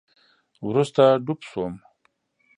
وروسته ډوب شوم